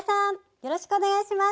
よろしくお願いします。